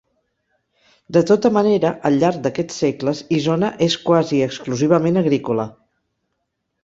De tota manera, al llarg d'aquests segles, Isona és quasi exclusivament agrícola.